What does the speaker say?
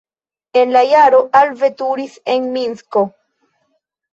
En la jaro alveturis en Minsko.